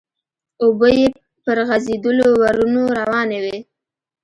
اوبه يې پر غزيدلو ورنو روانې وې.